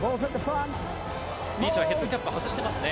リーチはヘッドキャップを外していますね。